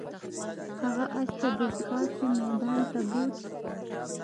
هغه اس ته د ځغاستې میدان ته بوت.